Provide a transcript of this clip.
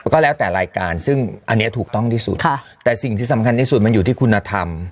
ก็แล้วแต่รายการซึ่งอันนี้ถูกต้องที่สุดแต่สิ่งที่สำคัญที่สุดมันอยู่ที่คุณธรรม